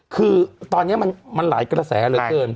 คือตอนนี้มันหลายกระแสเหลือเกิน